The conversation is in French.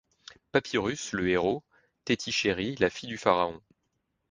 Papyrus le héros, Théti-Chéri la fille du pharaon.